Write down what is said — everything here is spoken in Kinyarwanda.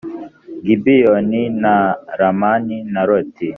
gibeyoni na rama na roti